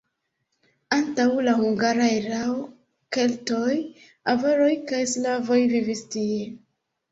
Antaŭ la hungara erao keltoj, avaroj kaj slavoj vivis tie.